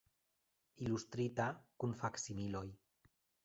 Ilustrita, kun faksimiloj.